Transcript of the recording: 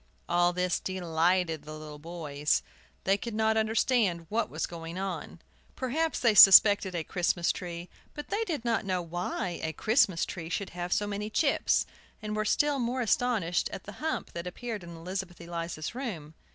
All this delighted the little boys. They could not understand what was going on. Perhaps they suspected a Christmas tree, but they did not know why a Christmas tree should have so many chips, and were still more astonished at the hump that appeared in Elizabeth Eliza's room.